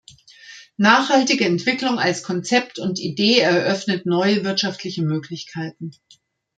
Nachhaltige Entwicklung als Konzept und Idee eröffnet neue wirtschaftliche Möglichkeiten.